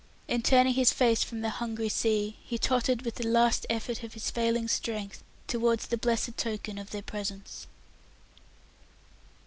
and turning his face from the hungry sea, he tottered with the last effort of his failing strength towards the blessed token of their presence.